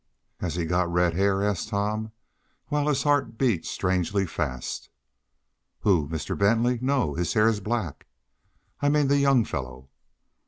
"Has he got red hair?" asked Tom, while his heart beat strangely fast. "Who? Mr. Bentley? No. His hair's black." "I mean the young fellow."